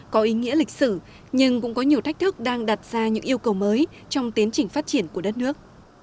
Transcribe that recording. có ý nghĩa lịch sử nhưng cũng có nhiều thách thức đang đặt ra những yêu cầu mới trong tiến trình phát triển của đất nước